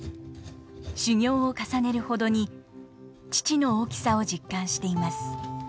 修業を重ねるほどに父の大きさを実感しています。